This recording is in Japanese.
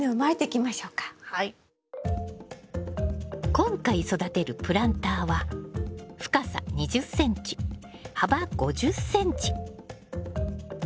今回育てるプランターは深さ２０ｃｍ幅５０ｃｍ。